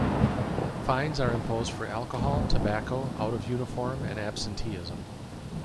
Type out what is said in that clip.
Fines are imposed for alcohol, tobacco, out-of-uniform, and absenteeism.